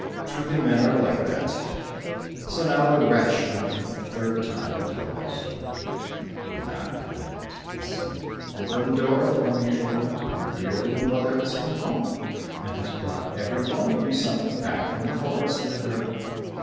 Truly men are like that. So now the wretch went for the third time to the house door, knocked at it and said, "Open the door for me, children, your dear little mother has come home, and has brought every one of you something back from the forest with her."